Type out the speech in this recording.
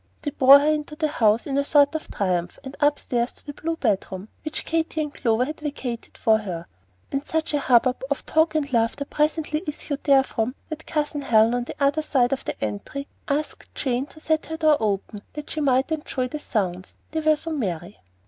They bore her into the house in a sort of triumph, and upstairs to the blue bedroom, which Katy and Clover had vacated for her; and such a hubbub of talk and laughter presently issued therefrom that Cousin Helen, on the other side the entry, asked Jane to set her door open that she might enjoy the sounds, they were so merry.